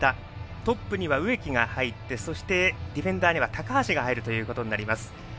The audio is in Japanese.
トップには植木が入ってディフェンダーには高橋が入ることになります。